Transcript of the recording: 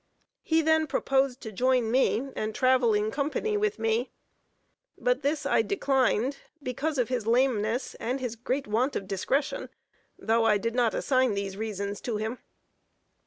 He then proposed to join me, and travel in company with me; but this I declined, because of his lameness and great want of discretion, though I did not assign these reasons to him.